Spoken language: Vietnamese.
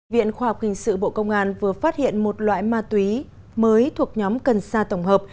viện khoa học hình sự bộ công an vừa phát hiện một loại ma túy mới thuộc nhóm cần sa tổng hợp